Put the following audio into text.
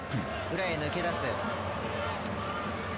裏へ抜け出す。